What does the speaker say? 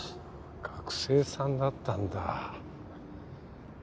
学生さんだったんだ。